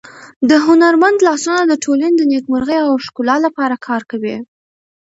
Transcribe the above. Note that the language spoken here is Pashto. د هنرمند لاسونه د ټولنې د نېکمرغۍ او ښکلا لپاره کار کوي.